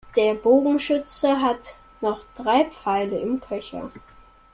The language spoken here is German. Der Bogenschütze hat noch drei Pfeile im Köcher.